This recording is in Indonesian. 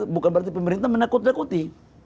bukan berarti pemerintah menakut nakuti